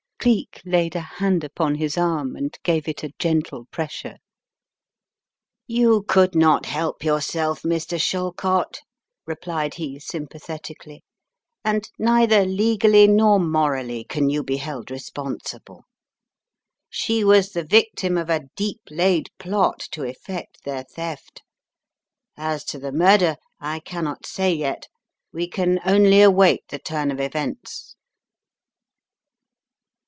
Cleek laid a hand upon his arm and gave it a gentle pressure. "You could not help yourself, Mr. Shallcott," replied he, sympathetically, "and neither legally nor morally can you be held responsible. She was the victim of a deep laid plot to effect their theft. As to the murder, I cannot say yet. We can only await the turn of events."